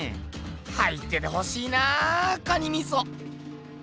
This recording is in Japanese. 入っててほしいな蟹みそ！